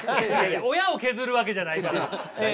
親を削るわけじゃないから！